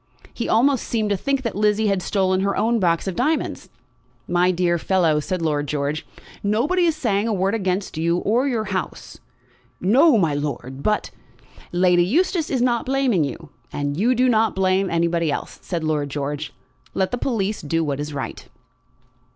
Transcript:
He almost seemed to think that Lizzie had stolen her own box of diamonds. "My dear fellow," said Lord George, "nobody is saying a word against you, or your house." "No, my lord; but " "Lady Eustace is not blaming you, and do not you blame anybody else," said Lord George. "Let the police do what is right."